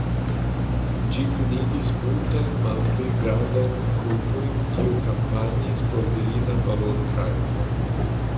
Ĝi kunigis multajn malpli grandajn grupojn kiu kampanjis por virina balotrajto.